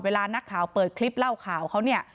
เวลานักข่าวเปิดคลิปเล่าข่าวเขาเนี่ย